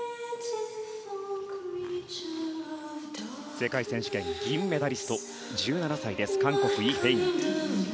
世界選手権銀メダリスト１７歳、韓国のイ・ヘイン。